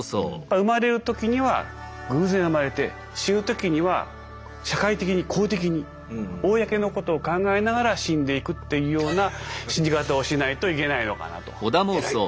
生まれる時には偶然生まれて死ぬ時には社会的に公的に公のことを考えながら死んでいくっていうような死に方をしないといけないのかなと。